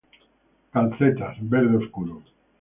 Calcetas:Verde oscuro.